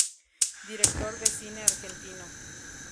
Director de cine Argentino.